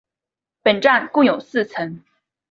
本站共有四层。